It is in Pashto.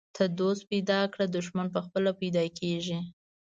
ته دوست پیدا کړه، دښمن پخپله پیدا کیږي.